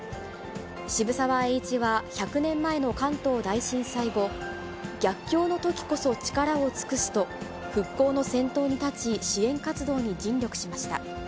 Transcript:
渋沢栄一は、１００年前の関東大震災後、逆境のときこそ力を尽くすと、復興の先頭に立ち、支援活動に尽力しました。